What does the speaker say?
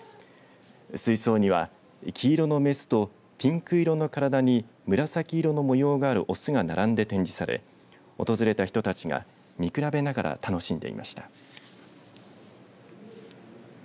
水槽には黄色の雌とピンク色の体に紫色の模様がある雄が並んで展示され訪れた人たちが見比べながら楽しんでいました。